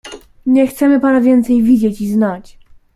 "Nie chcemy pana więcej widzieć i znać!..."